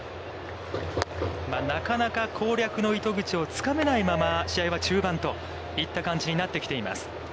なかなか攻略の糸口をつかめないまま試合は中盤といった感じになってきています。